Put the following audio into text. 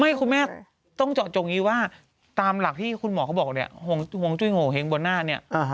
น่ะคุณแม่ครูต้องจ่อจงนี้ว่าตามหลักที่คุณหมอเค้าบอกนี่